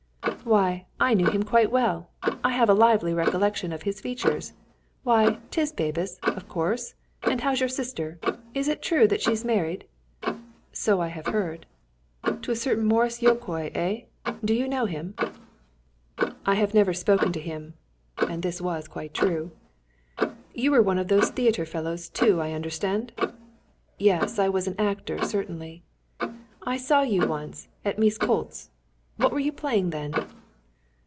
"Why, I knew him quite well! I have a lively recollection of his features. Why, 'tis Bebus, of course! And how's your sister? Is it true that she's married?" "So I have heard." "To a certain Maurus Jókai, eh? Do you know him?" "I have never spoken to him." (And this was quite true.) "You were one of those theatre fellows, too, I understand?" "Yes, I was an actor, certainly." "I saw you once at Miskolcz. What were you playing then?"